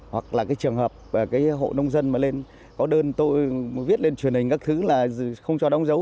hoặc là cái trường hợp cái hộ nông dân mà lên có đơn tôi viết lên truyền hình các thứ là không cho đóng dấu